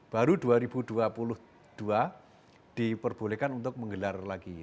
baru dua ribu dua puluh dua diperbolehkan untuk menggelar lagi